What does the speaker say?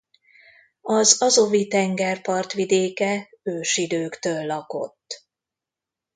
Az Azovi-tenger partvidéke ősidőktől lakott.